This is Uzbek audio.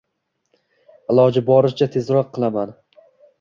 Iloji boricha tezroq qilaman.